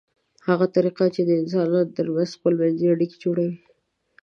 هغه طریقه چې د انسانانو ترمنځ خپلمنځي اړیکې جوړوي